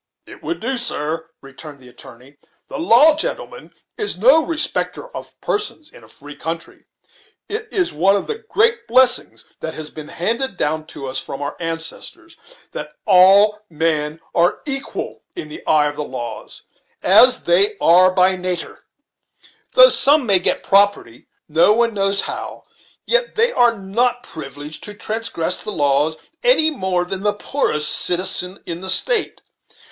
"It would so, sir," returned the attorney. "The law, gentlemen, is no respecter of persons in a free country. It is one of the great blessings that has been handed down to us from our ancestors, that all men are equal in the eye of the laws, as they are by nater. Though some may get property, no one knows how, yet they are not privileged to transgress the laws any more than the poorest citizen in the State.